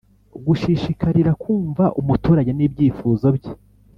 gushishikarira kumva umuturage n’ibyifuzo bye